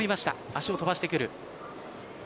足を飛ばしてくる。